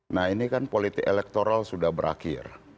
nah ini kan politik elektoral sudah berakhir